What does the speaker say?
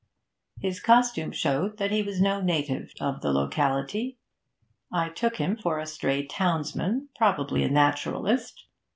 His costume showed that he was no native of the locality; I took him for a stray townsman, probably a naturalist.